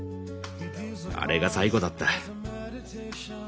あれが最後だった。